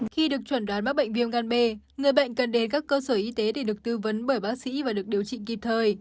khi được chuẩn đoán mắc bệnh viêm gan b người bệnh cần đến các cơ sở y tế để được tư vấn bởi bác sĩ và được điều trị kịp thời